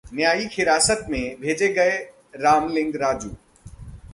न्यायिक हिरासत में भेजे गए रामलिंग राजू